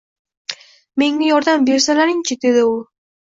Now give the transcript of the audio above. — Menga yordam bersalaring-chi! — dedi u, —